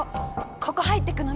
ここ入ってくの見たの。